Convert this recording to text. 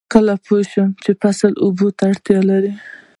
کله پوه شم چې فصل اوبو ته اړتیا لري؟